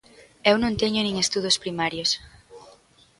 Eu non teño nin estudos primarios.